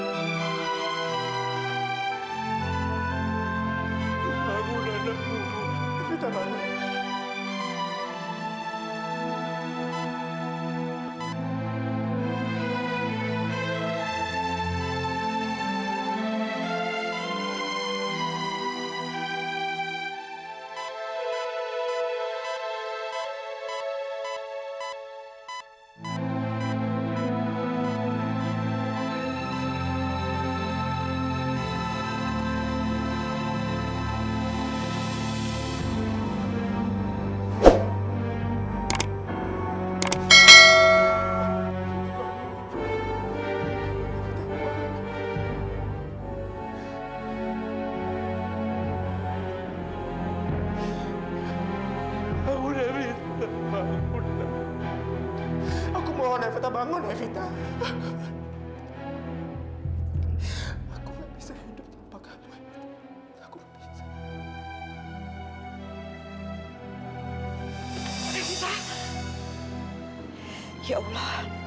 sampai jumpa di video selanjutnya